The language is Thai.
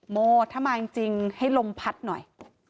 โมถ้ามาจริงให้ลมพัดหน่อย